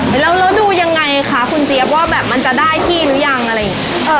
แล้วดูยังไงคะคุณเจี๊ยบว่าแบบมันจะได้ที่หรือยังอะไรอย่างนี้